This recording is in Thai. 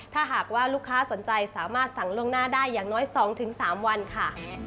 ถ้าหากว่าลูกค้าสนใจสามารถสั่งล่วงหน้าได้อย่างน้อย๒๓วันค่ะ